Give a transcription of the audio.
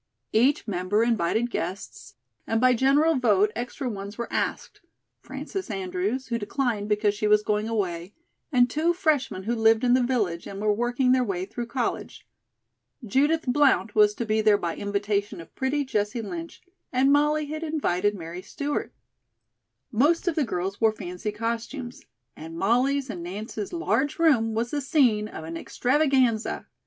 Each member invited guests, and by general vote extra ones were asked: Frances Andrews, who declined because she was going away, and two freshmen who lived in the village, and were working their way through college. Judith Blount was to be there by invitation of pretty Jessie Lynch, and Molly had invited Mary Stewart. Most of the girls wore fancy costumes, and Molly's and Nance's large room was the scene of an extravaganza.